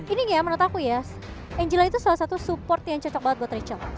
ini ya menurut aku ya angela itu salah satu support yang cocok banget buat richard